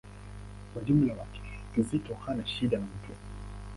Kwa ujumla wake, Kizito hana shida na mtu.